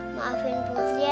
maafin putri ya